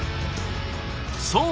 そう！